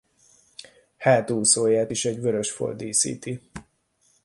Hátúszóját is egy vörös folt díszíti.